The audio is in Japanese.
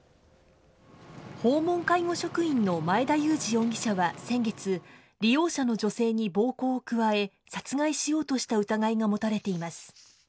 訪問介護職員の前田祐二容疑者は先月、利用者の女性に暴行を加え、殺害しようとした疑いが持たれています。